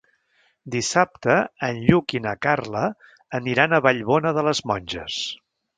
Dissabte en Lluc i na Carla aniran a Vallbona de les Monges.